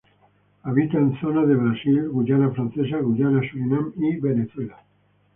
Habita en zonas de Brasil, Guyana francesa, Guyana, Surinam y Venezuela.